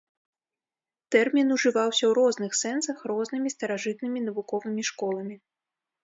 Тэрмін ужываўся ў розных сэнсах рознымі старажытнымі навуковымі школамі.